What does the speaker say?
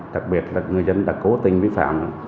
đặc biệt là người dân đã cố tình vi phạm